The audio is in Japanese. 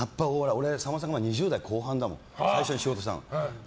俺、さんまさんが２０代後半だもん最初に仕事したの。